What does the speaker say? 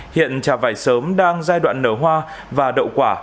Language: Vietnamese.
hiện trà vải sớm đang giai đoạn nở hoa và đậu quả